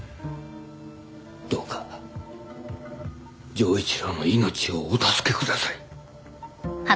どうか城一郎の命をお助けください。